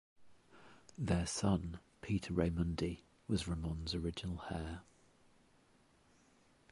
Their son, Peter Raymundi, was Ramon's original heir.